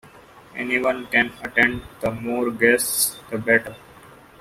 Anyone can attend - the more guests, the better.